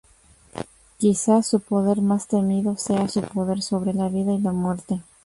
Quizás su poder más temido sea su poder sobre la vida y la muerte.